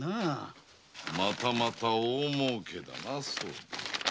またまた大もうけだな。